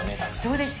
そうです